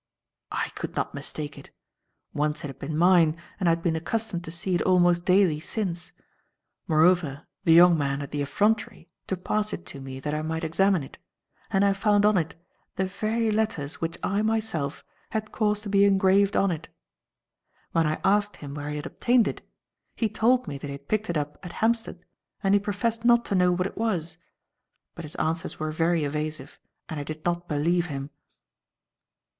"I could not mistake it. Once it had been mine, and I had been accustomed to see it almost daily since. Moreover the young man had the effrontery to pass it to me that I might examine it, and I found on it the very letters which I, myself, had caused to be engraved on it. When I asked him where he had obtained it, he told me that he had picked it up at Hampstead, and he professed not to know what it was. But his answers were very evasive and I did not believe him."